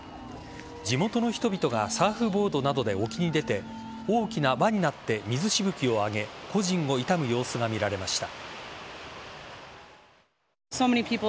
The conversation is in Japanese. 地元の人々がサーフボードなどで沖に出て大きな輪になって水しぶきを上げ故人を悼む様子が見られました。